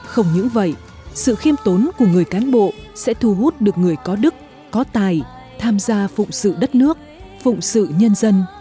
không những vậy sự khiêm tốn của người cán bộ sẽ thu hút được người có đức có tài tham gia phụng sự đất nước phụng sự nhân dân